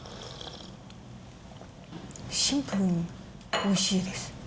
シンプルにおいしいです。